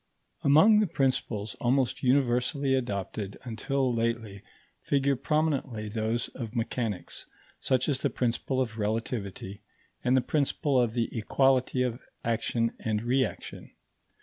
Among the principles almost universally adopted until lately figure prominently those of mechanics such as the principle of relativity, and the principle of the equality of action and reaction.